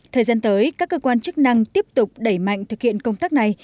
thời gian tới các cơ quan chức năng tiếp tục đẩy mạnh thực hiện công tác này